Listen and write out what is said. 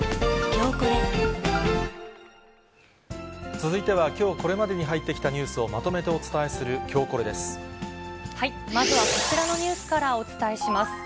続いては、きょうこれまでに入ってきたニュースをまとめてお伝えするきょうまずはこちらのニュースからお伝えします。